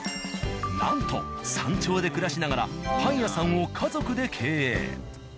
なんと山頂で暮らしながらパン屋さんを家族で経営。